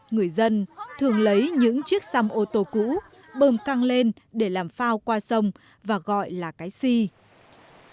người dân thường lấy những chiếc xăm ô tô cũ bơm căng lên để làm phao qua sông và gọi là cái si